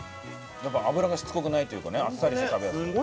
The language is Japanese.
脂がしつこくないというかねあっさりして食べやすい。